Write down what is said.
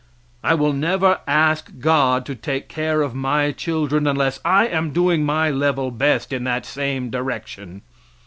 I will never ask God to take care of my children unless I am doing my level best in that same direction.